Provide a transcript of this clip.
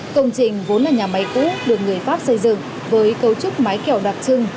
công trình vốn là nhà máy cũ được người pháp xây dựng với cấu trúc máy kẻo đặc trưng